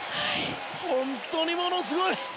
本当にものすごい。